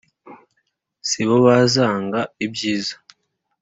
si bo bazanga ibyiza: